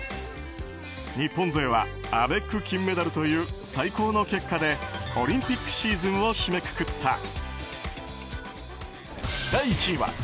日本勢はアベック金メダルという最高の結果でオリンピックシーズンを締めくくった。